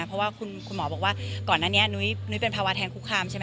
เพราะว่าคุณหมอบอกว่าก่อนหน้านี้นุ้ยเป็นภาวะแทงคุกคามใช่ไหม